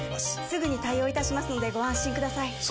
すぐに対応いたしますのでご安心ください